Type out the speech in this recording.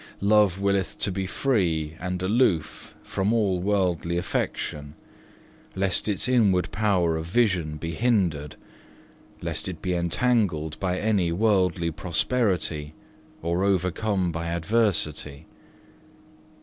Love willeth to be free and aloof from all worldly affection, lest its inward power of vision be hindered, lest it be entangled by any worldly prosperity or overcome by adversity.